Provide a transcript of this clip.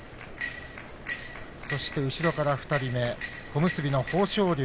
そして後ろから２人目小結の豊昇龍。